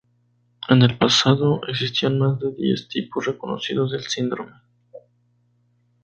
En el pasado existían más de diez tipos reconocidos del síndrome.